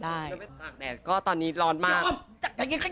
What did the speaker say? ถ้าไม่ผ่านแล้วก็ตอนนี้ร้อนมาก